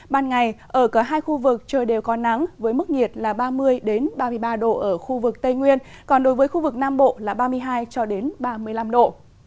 ban ngày ở cả hai khu vực trời đều có nắng với mức nhiệt là ba mươi ba mươi ba độ ở khu vực tây nguyên còn đối với khu vực nam bộ là ba mươi hai ba mươi năm độ